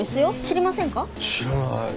知らない。